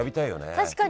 確かに。